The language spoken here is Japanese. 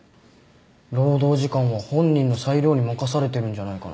労働時間は本人の裁量に任されてるんじゃないかな。